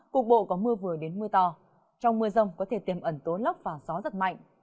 cuộc bộ có mưa vừa đến mưa to trong mưa rông có thể tiềm ẩn tố lóc và gió rất mạnh